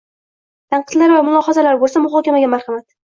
Tanqidlar va mulohazalar boʻlsa muhokamaga marhamat.